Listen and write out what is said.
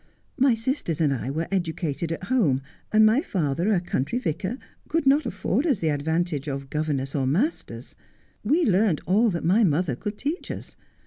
My sisters and I were educated at home, and my father, a country vicar, could not afford us the advantage of governess or masters. We learnt all my mother could teach us.